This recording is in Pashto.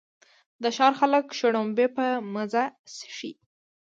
د ښار خلک شړومبې په مزه څښي.